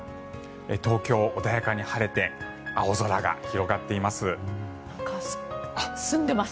東京、穏やかに晴れて青空が広がっています。